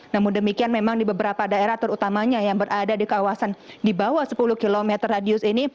namun demikian memang di beberapa daerah terutamanya yang berada di kawasan di bawah sepuluh km radius ini